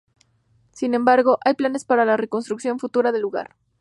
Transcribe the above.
Sin embargo, hay planes para la reconstrucción futura del lugar.